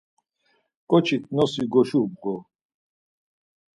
K̆oçik nosis guşubğu.